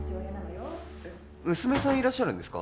娘さんいらっしゃるんですか？